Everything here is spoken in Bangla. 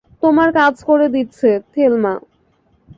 তোমার কাজ করে দিচ্ছে, থেলমা।